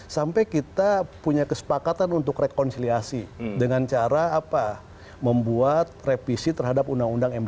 sampai kita punya kesepakatan untuk rekonsiliasi dengan cara membuat revisi terhadap undang undang md tiga